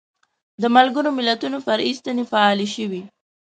د ملګرو ملتونو فرعي ستنې فعالې شوې.